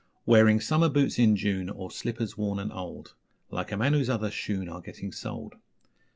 Wearing summer boots in June, or Slippers worn and old Like a man whose other shoon are Getting soled.